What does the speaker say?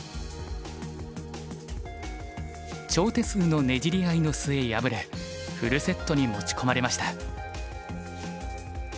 長手数のねじり合いの末敗れフルセットに持ち込まれました。